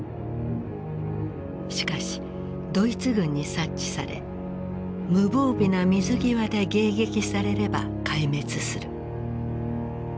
しかしドイツ軍に察知され無防備な水際で迎撃されれば壊滅する。